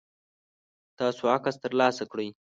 تاسو عکس ترلاسه کړئ؟